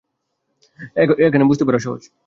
এখন বুঝতে পারা সহজ।